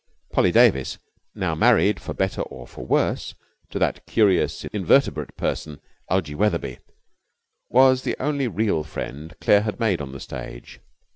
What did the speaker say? Polly Davis, now married for better or for worse to that curious invertebrate person, Algie Wetherby, was the only real friend Claire had made on the stage.